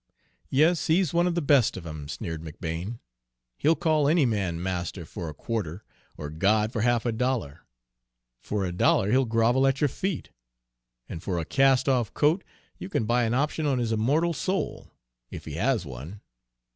"Yes, he's one of the best of 'em," sneered McBane. "He'll call any man 'master' for a quarter, or 'God' for half a dollar; for a dollar he'll grovel at your feet, and for a cast off coat you can buy an option on his immortal soul, if he has one!